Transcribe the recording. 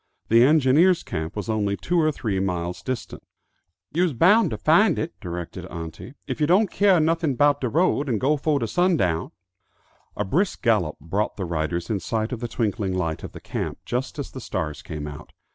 The engineers' camp was only two or three miles distant. "You's boun' to find it," directed auntie, "if you don't keah nuffin 'bout de road, and go fo' de sun down." A brisk gallop brought the riders in sight of the twinkling light of the camp, just as the stars came out.